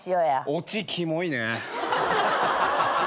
オチキモいね。